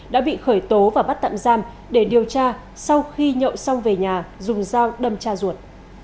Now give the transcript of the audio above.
đã bị khởi tố và bắt tạm giam để điều tra sau khi nhậu xong về nhà dùng dao đâm cha ruột